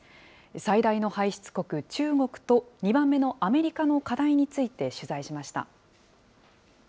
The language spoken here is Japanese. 最大の排出国、中国と、２番目のアメリカの課題について取材しま